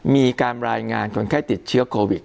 มีการรายงานคนไข้ติดเชื้อโควิด